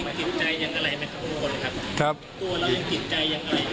ตัวเรายังติดใจอย่างไรหรือเปล่า